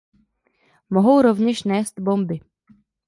Mohou rovněž nést bomby.